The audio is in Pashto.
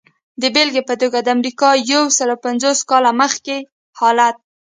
د بېلګې په توګه د امریکا یو سلو پنځوس کاله مخکې حالت.